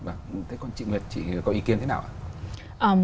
vâng thế còn chị nguyệt chị có ý kiến thế nào ạ